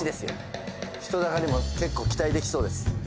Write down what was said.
人だかりも結構期待できそうです